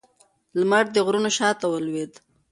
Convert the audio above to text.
لمر د غرونو شا ته ولوېد